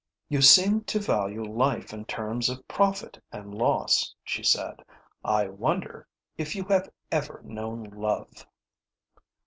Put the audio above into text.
"You seem to value life in terms of profit and loss," she said. "I wonder if you have ever known love."